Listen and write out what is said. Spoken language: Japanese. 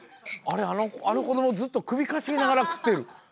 あのこあのこどもずっと首かしげながらくってる。